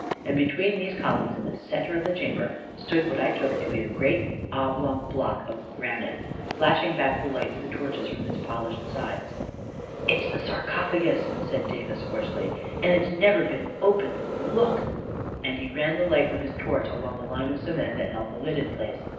And between these columns, in the centre of the chamber, stood what I took to be a great oblong block of granite, flashing back the light of the torches from its polished sides. " It's the sarcophagus I " said Davis hoarsely. 44 And it has never been opened. Look !" and he ran the light from his torch along a line of cement that held the lid in place.